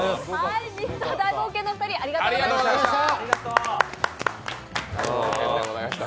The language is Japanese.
ミスター大冒険のお二人ありがとうございました。